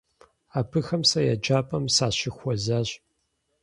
Абыхэм сэ еджапӏэм сащыхуэзащ.